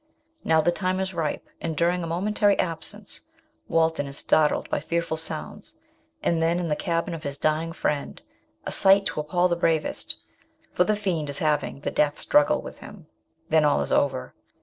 Now the time is ripe, and, during a momentary absence, Walton is startled by fearful sounds, and then, in the cabin of his dying friend, a sight to appal the bravest ; for the fiend is having the death struggle with him then all is over.